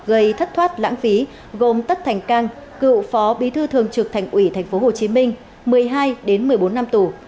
gây thất thoát lãng phí gồm tất thành cang cựu phó bí thư thường trực thành ủy tp hcm một mươi hai một mươi bốn năm tù